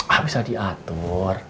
ah bisa diatur